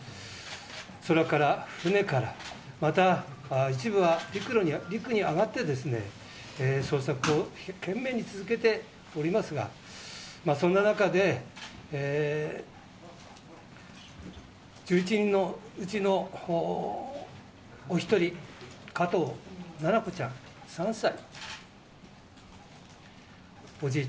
空から、船から、また一部は陸に上がって捜索を懸命に続けておりますがそんな中で１１人のうちのお一人、加藤七菜子ちゃん３歳おじい